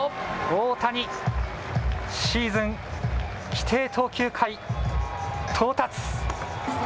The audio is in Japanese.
大谷、シーズン規定投球回到達。